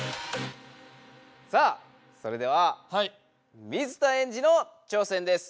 それでは水田エンジの挑戦です。